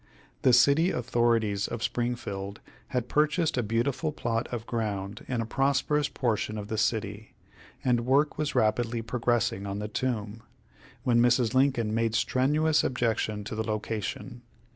The city authorities of Springfield had purchased a beautiful plat of ground in a prosperous portion of the city, and work was rapidly progressing on the tomb, when Mrs. Lincoln made strenuous objection to the location.